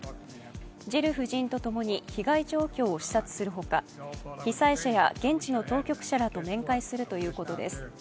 ジル夫人とともに被害状況を視察するほか被災者や現地の当局者らと面会するということです。